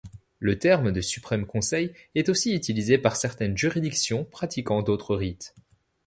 Le terme de Suprême Conseil est aussi utilisé par certaines juridictions pratiquant d'autres rites.